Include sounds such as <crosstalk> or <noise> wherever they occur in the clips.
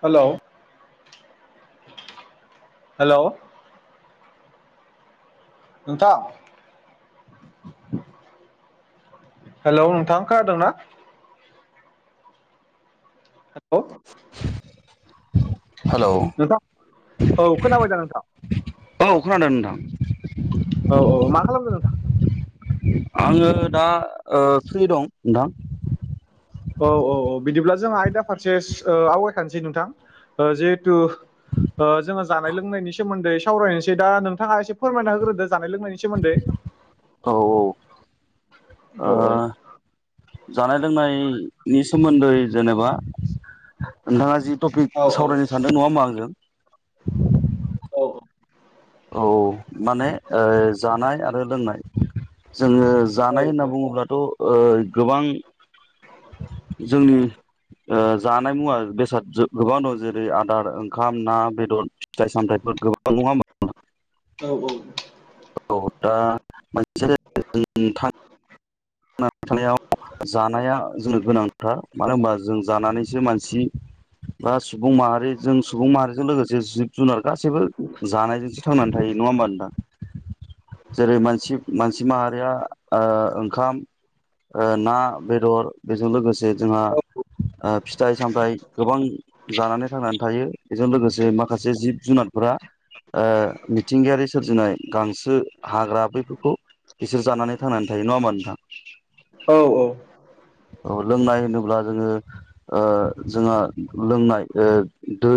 हेल' हेल' नोंथां हेलौ नोंथांखा होदोंना? <unintelligible> हेलौ औ नोंथां औ खोनाबायदा नोंथां? औ खोनादों नोंथां औ औ मा खालामदों नोंथां? आङो दा ओ फ्रि दं नोंथां औ औ औ बिदिब्ला जोंहा आयदा फारसे ओ आवगायखानोसै नोंथां जिहेथु ओ जों जानाय लोंनायनि सोमोन्दैावरायनोसै दा नोंथाङा एसे फोरमायना होग्रोदो जानाय लोंनायनि सोमोन्दै औ ओ औ औ जानाय लोंनायनि सोमोन्दै जेनेबा नोंथाङा जि औ टपिक औ सावरायनो सानदों नङा होमा आंजों औ औ माने ओ जानाय आरो लोंनाय जोङो जानाय होनना औ बुङोब्लाथ' ओ गोबां जोंनि ओ जानाय मुवा बेसाद गोबां दं जेरै आदार ओंखाम ना बेदर फिथाइ सामथाइफोर गोबां नङा होमबा औ औ औ औ दा मोनसे नोंथां थानायाव जानाया जोंनो गोनांथार मानो होनबा जों जानानैसो मानसि बा सुबुं माहारि जों सुबुं माहारिजों लोगोसे जिब जुनार गासैबो जानायजोंसो थांनानै थायो नङा होमबा नोंथां? जेरै मानसि मानसि माहारिया ओ ओंखाम ओ ना बेदर बेजों लोगोसे जोंहा ओ फिथाइ सामथायाइ गोबां जानानै थांनानै थायो। बेजों लोगोसे माखासे जिब जुनार फोरा ओ मिथिंगायारि सोरजिनाय गांसो हाग्रा बैफोरखौ बिसोर जानानै थांनानै थायो नङा होमबा नोंथां? औ औ लोंनाय होनोब्ला जोङो ओ जोंहा लोंनाय ओ दै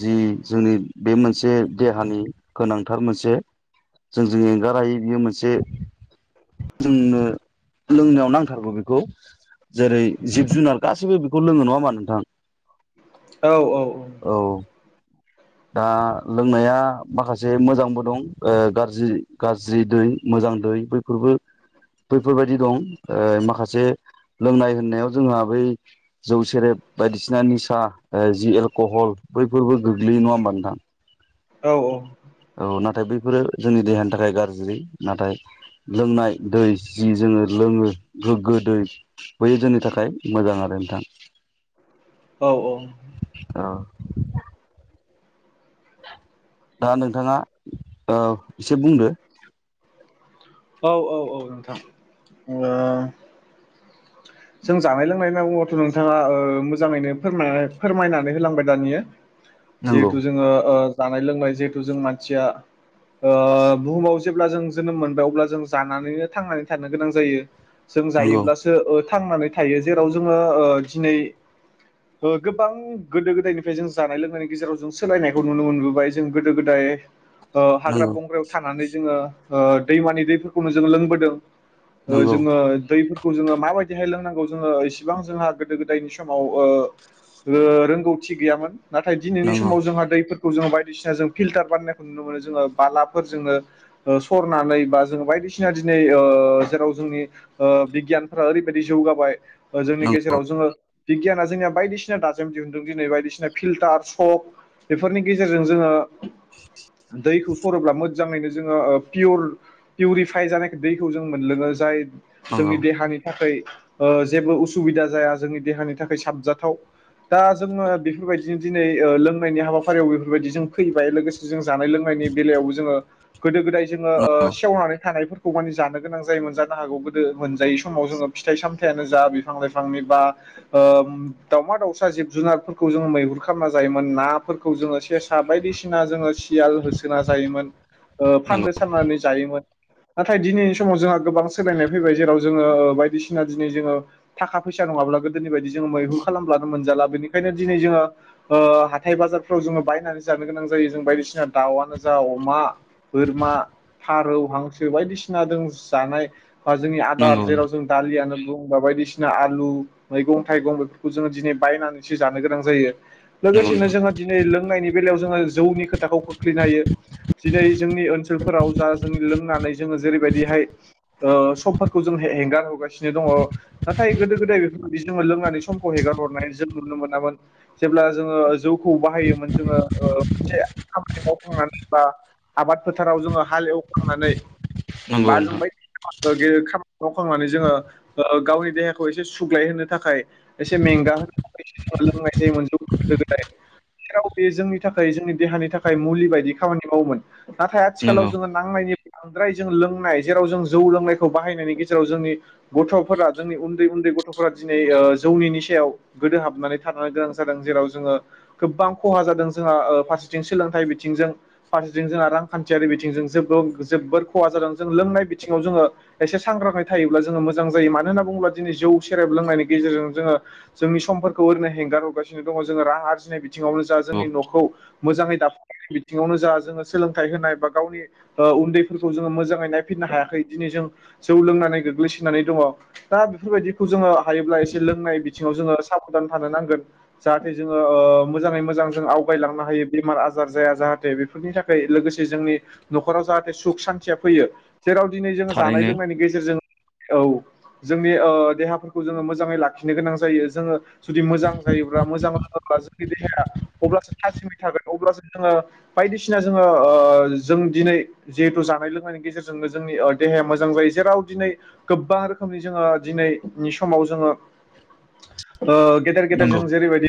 जि जोंनि बे मोनसे देहानि गोनांथार मोनसे जोंजों एंगार हायै बियो मोनसे जोंनो लोंनायाव नांथारगौ बेखौ गौ जेरै जिब जुनार गासैबो बेखौ लोङो नङा होनबा नोंथां? औ औ औ। औ दा लोंनाया माखासे मोजांबो दं ओ गाज्रि गाज्रि दै मोज मोजां दै बैफोरबो बैफोरबायदि दं ओ माखासे लोंनाय होननायाव जोंहा बै जौ सेरेब बायदिसिना निसा ओ जि एलकहल बैफोरबो गोग्लैयो नङा होमबा नोंथां? औ औ नाथाय बैफोरो जोंनि देहानि थाखाय गाज्रि नाथाय लोंनाय दै जि जोङो लोङो गोग्गो दै बै जोंनि थाखाय मोजां आरो नोंथां। <unintelligible> औ। दा नोंथाङा ओ एसे बुंदो। औ औ औ नोंथां। ओ जों जानाय लोंनाय होनना बुङोबाथ नोंथाङा ओ मोजाङैनो फोर फोरमायनानै होलांबाय दानिया। नंगौ जिहेथु जोङो ओ जानाय लोंनाय जिहेथु जों मानसिया ओ बुहुमाव जेब्ला जों जोनोम मोनबाय अब्ला जों जानानैनो थांनानै थानो गोनां जायो। जों नंगौ जायोब्लासो ओ थांनानै थायो जेराव जोङो ओ दिनै ओ गोबां गोदो गोदायनिफ्राय जों जानाय लोंनायनि गेजेराव जों सोलायनायखौ नुनो मोनबोबाय जों गोदो गोदाय ओ हाग्रा नंगौ बंग्रायाव थानानै जोङो ओ दैमानि दैफोरखौनो जों लोंबोदों। नंगौ जोङो दैफोरखौ जोङो माबायदि रोंनांगौ जोङो इसेबां जोंहा गोदो गोदायनि समाव ओ रो रोंगौथि गैयामोन। नाथाय दिनैनि नंगौ समाव जोंहा दैफोर ज बायदिसिना ज फिलटार बानायनायखौ नुनो मोनो जोङो बालाफोर जोङो ओ सरनानै बा जों बाय बायदिसिना दिनै ओ जेराव जोंनि ओ बिगियान ओरैबायदि बायदि जौगाबाय ओ जोंनि गेजेराव जोङो बिगियाना जोंनिया बायदिसिना दाजेम दिहुनदों दिनै बायदिसिना फिल्टार सक बेफोरनि गेजेरजों जोङो <unintelligible> दैखौ सरोब्ला मोजाङैनो जोङो ओ पियर पिउरिफाइ जानाय दैखौ जों मोनलोङो जाय नंगौ जोंनि देहानि थाखाय ओ जेबो उसुबिदा जाया जोंनि देहानि थाखाय साबजाथाव। दा जोङो बेफोरबायदिनो दिनै ओ लोंनायनि हाबाफारियाव बेफोरबायदि जों फैबाय लोगोसे जों जानाय लोंनाय नि बेलायावबो जोङो गोदो गोदाय जोङो ओ नंगौ सेवनानै थानायफोरखौ मान जानो गोनां जायो मोनजानो हागौ गोदो मोनजायो। जोङो फिथाइ सामथायानो जा बिफां लाइफांनि बा ओ दाावमा दाउसा जिब जुनारफोरखौ जों मैहुर खालामना जायोमोन ना फोरखौ जोङो सेसा बायदिसिना जोङो सियाल होसोना जायोमोन। ओ नंगौ फान्दो साननानै जायोमोन नाथाय दिनैनि समाव जोंहा गोबां सोलायनाय फैबाय जेराव जोङो ओ बायदिसिना दिनै जोङो थाखा फैसा नङाब्ला गोदोनि बायदि जोङो मैहुर खालामब्लानो मोनजाला बेनिखायनो दिनै जोङो ओ हाथाय बाजारफ्राव जोङो बायनानै जानो गोनां जायो जों बायदिसिना दाउआनो जा अमा बोरमा फारौ हांसो बायदिसिना जों जानाय बा जोंनि नंगौ बार नंगौ जेराव जों दालि आनो बा बायदिसिना आलु मैगं थाइगं बेफोरखौ जोङो दिनै बायनानैसो जानो गोनां जायो। नंगौ लोगोसेनो नोंथां जोङो दिनै लोंनायनि बेलायाव जोङो जौनि खोथाखौ खोख्लैनो हायो। दिनै जोंनि ओनसोलफोराव जा जों लोंनानै जोङो जेरैबायदिहाय ओ समफोर खौ जों हेंगार हरगासिनो दङ नाथाय गोदो गोदाय बेफोरबायदि जों लोंनानै समखौ हेगार हरनाय जों नु नो मोनामोन जेब्ला जोङो जौखौ बाहायोमोन जोङो ओ मोनसे खामानि मावखांनानै बा आबाद फोथाराव जोङो हाल एवखांनानै नंगौ बा जों बायदिसिना गेदेर खामा नि मावखांनानै जोङो ओ गावनि देहाखौ एसे सुग्लाय होनो थाखाय एसे मेंगा होनो थाखाय लोंनाय जायोमोन जौखौ गोदो गोदाय। जेराव बे जोंनि थाखाय जोंनि देहानि थाखाय मुलि बायदि खामानि मावोमोन। नाथाय आथिखालाव नंगौ जोङो नांनायनि बांद्राय जों लोंनाय जेराव जों जौ लोंनायखौ बाहायनायनि गेजेरजों जोंनि गथ'फोरा जोंनि उन्दै उन्दै गथ'फोरा दिनै ओ जौनि निसायाव गोदो हाबनानै था गोनां जादों जेराव जोङो गोबां खहा जादों जोंहा फारसेथिं सोलोंथाइ बिथिंजों फार जों जोंहा रांखान्थियारि बिथिंजों जोबो जोबोर खहा जादों जों लोंनाय बिथिङाव जोङो एसे सांग्राङै थायोब्ला जोङो मोजां जायो मानो होनना बुङोबा जौ सेरेब लोंनायनि गेजेरजों जोङो जोंनि समफोरखौ ओरैनो हें गार हरगासिनो दङ जोङो रां आरजिनाय बिथिङावनो जा नंगौ जोंनि न'खौ मोजाङै दाफामनाय बिथिङावनो जा जोङो सोलोंथाइ होनाय बा गावनि ओ उन्दैफोरखौ जोङो मोजाङै नायफिननो हायाखै दिनै जों जौ लोंनानै गोग्लैसोनानै दङ दा बेफोरबायदिखौ जोङो हायोब्ला एसे लोंनाय बिथिङाव जोङो साबदान थानो नांगोन। जाहाथे जोङो ओ मोजाङै मोजां जों आवगायलांनो हायो बेमार आजार जाया जाहाथे बेफोरनि थाखै लोगोसे जोंनि न'खराव जाहाथे सुख सान्थिया फैयो जेराव दिनै जोङो जानाय थारैनो लोंनायनि गेजेरजों औ जोंनि ओ देहाफोरखौ जोङो मोजाङै लाखिनो गोनां जायो जोङो जुदि मोजां जायोब्ला मोजां बा जोंनि देहाया अब्लासो थाजिमै थागोन अब्लासो जोङो बायदिसिना जोङो ओ जों दिनै जिहेथु जानाय लोंनायनि गेजेरजोंनो जोंनि देहाया मोजां जायो जेराव दिनै गोबां रोखोमनि जोङो दिनै नि समाव जोङो ओ गेदेर गेदेर नंगौ जों जेरैबायदि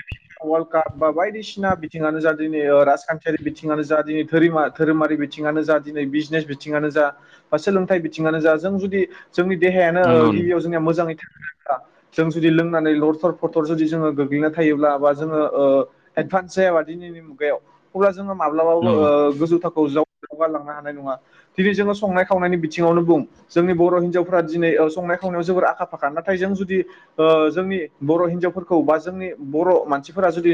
वर्ल्ड काप बा बायदिसिना बिथिङानो जा दिनै राजखान्थियारि बिथिङानो जा दिनै धोरिमा धोरोमारि बि थिङानो जा दिनै बिजनेस बिथिङनो जा बा सोलोंथाइ बिथिङनो जा जों जुदि जोंनि देहायानो ओ नंगौ गिबियाव जोंना मोजाङै था <unintelligible> जों जुदि लोंनानै लरथर फरथर जुदि जोङो गोग्लैना थायोब्ला बा जोङो ओ एडभान्स जायाबा दिनैनि मुगायाव अब्ला जोङो माब्लाबाबो नंगौ गोजौ थाखोआव जौ गालांनो हानाय नङा दिनै जोङो संनाय खावनायनि बिथिङावनो बुं जोंनि बर' हिनजाव फोरा दिनै संनाय खावनायाव जोबोर आखा फाखा नाथाय जों जुदि ओ जोंनि बर' हिनजावफोरखौ बा जोंनि बर' मानसिफोरा जुदि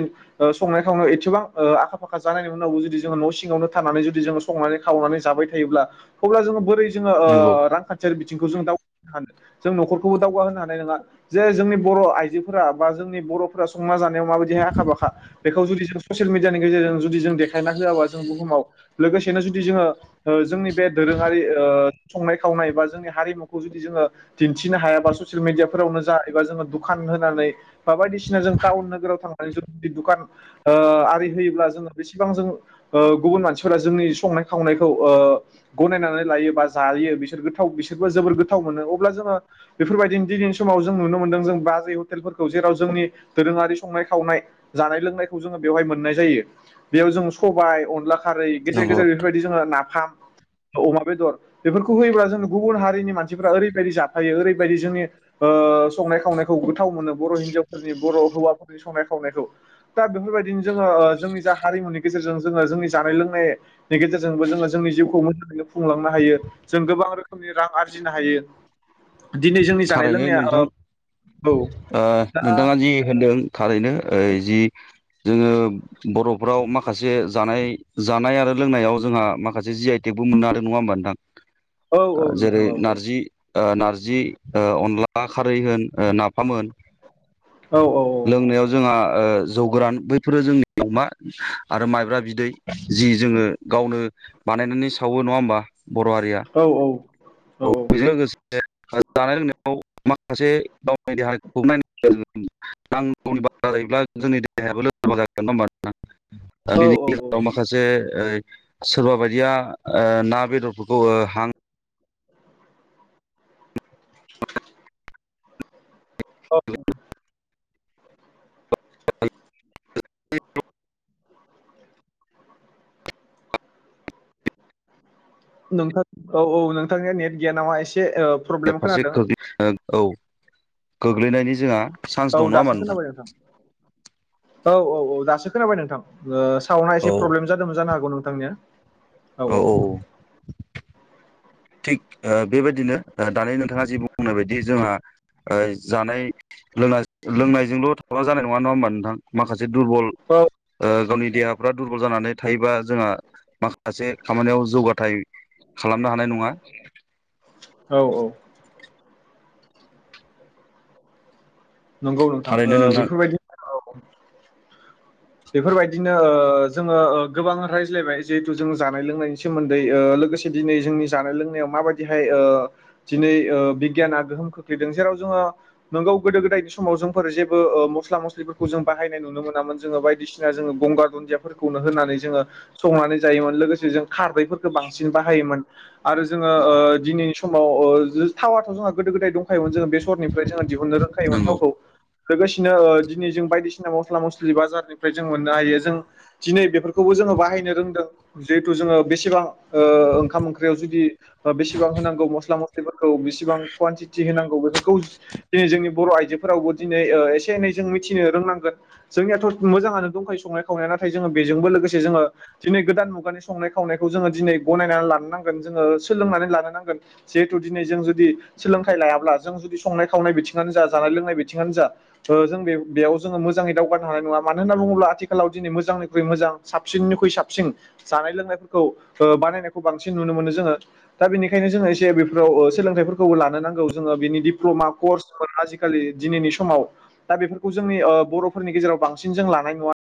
संनाय खावनाय एसेबां आखा फाखा जानायनि उनावबो जुदि जोङो न' सिङावनो थानानै जुदि जों संनानै खावनानै जाबाय थायोब्ला अब्ला जोङो बोरै जोङो नंगौ ओ रांखान्थियारि बि थिंखौ जों दावगाहोनो हानो जों न'खरखौबो दावगा होनो हानाय नङा जे जोंनि बर' आइजोफोरा बा जोंनि बर'फोरा संना जानायाव माबायदिहाय आखा फाखा बेखौ जुदि जों ससियेल मेडियानि गेजेरजों जुदि जों देखायना होआबा जों बुहुमाव लोगोसेनो जुदि जोङो ओ जोंनि बे दोरोङारि ओ संनाय खावनाय बा जोंनि हारिममखौ जुदि जोङो दिनथिनो हायाबा ससियेल मेदियाफोरावनो जा एबा जोङो दुखान होनानै बा बायदिसिना जों टाउन नोगोराव थांनानै जों ज दुखान आरि होयोब्ला जोङो बेसेबां जों ओ गुबुन मानसिफोरा जोंनि संनाय खावनायखौ ओ गनायनानै लायो बा जायो बिसोर गोथा थाव बिसोरबो जोबोर गोथाव मोनो अब्ला जोङो बेफोरबायदिनो दिनै समाव जों नुनो मोनदों जों बाजै हटेलफोरखौ जे राव जोंनि दोरोङारि संनाय खावनाय जानाय लोंनायखौ जोङो बेवहाय मोननाय जायो बेयाव जों स बाय अनला खारै गेजेर नंगौ गेजेर बेफोरबायदि जोङो नाफाम अमा बेदर बेफोरखौ होयोब्ला जों गुबुन हारिनि मानसिफ्रा ओरैबायदि जाफायो ओरैबायदि जोंनि ओ संनाय खावनायखौ गोथाव मोनो बर' हिन जावफोरनि बर' हौवाफोरनि संनाय खावनायखौ दा बेफोरबायदिनो जोङो ओ जोंनि जा हारिमुनि गेजेरजों जों जोंनि जानाय लोंनायनि गेजेरजोंबो जोङो जोंनि जिउखौ मोजाङैनो खुंलांनो हायो जों गोबां रोखोम नि रां आरजिनो हायो। दिनै जोंनि जानाय थारैनो लोंनाया नोंथां औ ओ दा नोंथाङा जि होनदों थारैनो ओ जि जोङो बर'फ्राव माखासे जानाय जानाय आरो लोंनायाव जोंहा माखासे जि आइ टेक बो मोननो हादों आरो नङा होमबा नोंथां औ औ जेरै नोंथां औ नारजि ओ नार्जि ओ अनला खारै होन नाफाम होन औ औ लोंनायाव जोंहा ओ जौ गोरान बैफोरो जोंनि अमा आरो माइब्रा बिदै जि जोङो गावनो बानायनानै सावो नङा होमबा बर' हारिया औ औ बेजों लोगोसे <unintelligible> जानाय लोंनायाव माखासे गावनि देहाखौ नायनोगौनि बाथ्रा जायोब्ला जोंनि देहायाबो लोरबां जागोन नङा होमबाथ नोंथां दा बिनि औ औ गेजेराव माखासे ओ सोरबा बायदिया ओ ना बेदरफोरखौ ओ हां <inaudible> औ। नोंथां औ औ नोंथांनिया नेट गैया नामा एसे ओ प्रब्लेम फारसे खोनादों खोख औ गोग्लैनायनि जोंहा चान्स औ दं नङा होमबा दासो खोनाबाय नोंथां औ औ औ दासो खोनाबाय नोंथां। सावना औ एसे प्रब्लेम जादोंमोन जानो हागौ नोंथांनिया। औ औ। थिग बेबायदिनो दानि नोंथाङा जिे बुंनाय बायदि जोंहा जानाय लों लोंनायजोंल' थाब्ला जानाय नङा होमबा नोंथां माखासे दुरबल औ ओ गावनि देहाफ्रा दुरबल जानानै थायोबा जोंहा माखासे खामानियाव जौगाथाय खालामनो हानाय नङा। औ औ। नंगौ नोंथां थारैनो ओ नोंथां बेफोरबायदि औ। बेफोरबायदिनो ओ जोङो गोबां रायज्लायबाय जिहेथु जों जानाय लोंनायनि सोमोन्दै लोगोसे दिनै जोंनि जानाय लोंनायाव माबादिहाय दिनै बिगियाना गोहोम खोख्लैदों जेराव जोंहा नंगौ गोदो गोदाय बे समाव जोंफोर जेबो मस्ला मस्लिफोरखौ जों बाहायनाय नुनो मोनाम जोङो बायदिसिना जोङो गंगार दुदियाफोरखौ नो होनानै जोङो संनानै जायोमोन लोगोसे जों खारदैफोरखौ बांसिन बाहायोमोन। आरो जोङो ओ दिनैनि समाव ओ थावाथ' जोंहा गोदो गोदाय दंखायोमोन जोङो बेसरनिफ्राय जोङो दिहुननो रोंखायोमोन नंगौ थावखौ। लोगोसेनो दिनै जों बायदिसिना मस्ला मस्लि बाजारनिफ्राय जों मोननो हायो जों दिनै बेफोरखौबो जों बायनो रोंदों जेहुते जोङो बेसेबां ओ ओंखाम ओंख्रियाव जुदि बेसेबां होनांगौ। गौ मस्ला मस्लिफोरखौ बिसेबां कुवानटिटि होनांगौ बेफोरखौ दिनै जोंनि बर' फोरावबो दिनै एसे एनै जों मिथिनो रोंनांगोन जोंनियाथ' मोजाङनो दंखायो संनाय खावनाया नाथाय जोङो बेफोर बेजोंबो लोगोसे जोङो दिनै गोदान मुगानि संनाय खावनाखौ जोङो दिनै गनायना लानो नांगोन लानो नांगोन जिेहुते दिनै जों जुदि सोलोंथाइ लायाब्ला जों जुदि संनाय खावनाय बिथिङानो जा जानाय लोंनाय बिथिङानो जा जों बे जोङो मोजाङै दावगानो हानाय नङा मानो होनना बुङोब्ला आथिखालाव दिन मोजांनिख्रुइ मो मोजां साबसिननिख्रुइ साबसिन जानाल लोंनायफोरखौ ओ बानायनायखौ बांसिन नुनो मोनो जोङो दा बेनिखायनो जोङो एसे बेफ्राव सोलोंथाइफोरखौबो लानो नांगौ जोङो बिनि डिप्ल'मा कर्सफोर मोनो आजिखालि दिनैनि समाव दा बेफोरखौ जोंनि बर'फोरनि गेजेराव बांसिन जों लानाय नुवा।